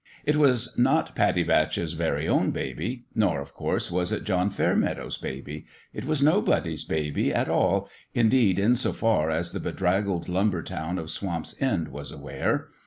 It was not Pattie Batch's very own baby ; nor, of course, was it John Fairmeadow's baby : it was nobody's baby, at all, indeed in so far as the bedraggled lumber town of Swamp's End was aware.